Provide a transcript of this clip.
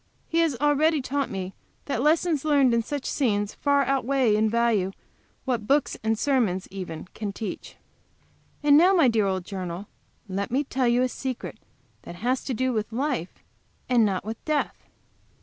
He has already taught me that lessons learned in such scenes far outweigh in value what books and sermons, even, can teach. And now, my dear old journal, let me tell you a secret that has to do with life, and not with death.